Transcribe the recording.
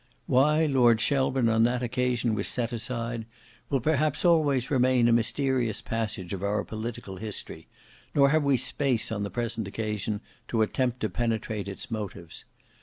Why Lord Shelburne on that occasion was set aside, will perhaps always remain a mysterious passage of our political history, nor have we space on the present occasion to attempt to penetrate its motives.